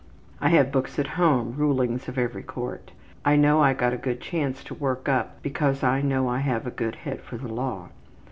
I have books at home, rulings of every court. I know I got a good chance to work up because I know I have a good head for the law.